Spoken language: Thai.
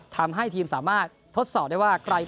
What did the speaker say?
ทำให้ทีมสามารถทดสอบได้ว่ากลายพร้อม